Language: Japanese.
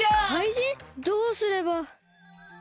どうすれば。